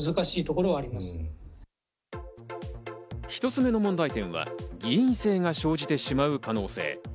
１つ目の問題点は偽陰性が生じてしまう可能性。